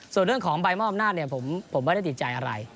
ส่วนเรื่องของใบมอบอำนาจผมไม่ได้ติดใจอะไร